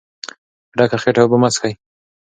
په ډکه خېټه اوبه مه څښئ.